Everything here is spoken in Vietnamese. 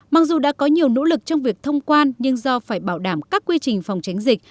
mặc dù đã có nhiều nỗ lực trong việc thông quan nhưng do phải bảo đảm các quy trình phòng tránh dịch